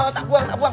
tak buang tak buang